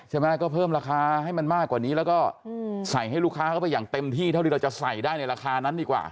ใช่ไหมก็เพิ่มราคาให้มันมากกว่านี้แล้วก็ใส่ให้ลูกค้าเข้าไปอย่างเต็มที่เท่าที่เราจะใส่ได้ในราคานั้นดีกว่า